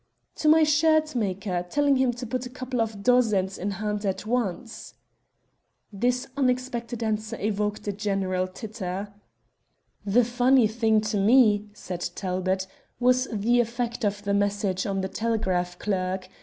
"To my shirt maker, telling him to put a couple of dozens in hand at once." This unexpected answer evoked a general titter. "The funny thing to me," said Talbot, "was the effect of the message on the telegraph clerk.